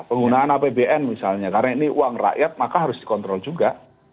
penggunaan apbn misalnya karena ini uang rakyat maka harus dikontrol juga